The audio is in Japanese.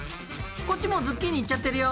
こっちもうズッキーニいっちゃってるよ。